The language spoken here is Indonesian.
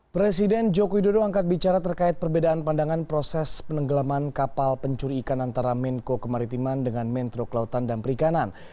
presiden joko widodo angkat bicara terkait perbedaan pandangan proses penenggelaman kapal pencuri ikan antara menko kemaritiman dengan mentro kelautan dan perikanan